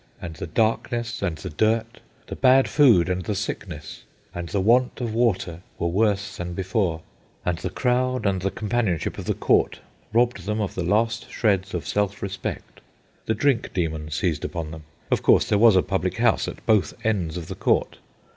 And the darkness and the dirt, the bad food and the sickness, and the want of water was worse than before; and the crowd and the companionship of the court robbed them of the last shreds of self respect. The drink demon seized upon them. Of course there was a public house at both ends of the court.